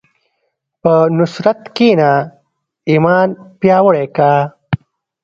په نصرت کښېنه، ایمان پیاوړی کړه.